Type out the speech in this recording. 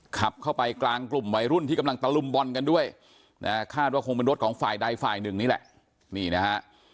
ขับเข้าไปกลางกลุ่มวัยรุ่นที่กำลังตะลุมบอลกันด้วยนะฮะคาดว่าคงเป็นรถของฝ่ายใดฝ่ายหนึ่งนี่แหละนี่นะฮะ